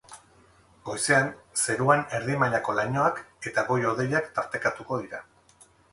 Goizean, zeruan erdi mailako lainoak eta goi-hodeiak tartekatuko dira.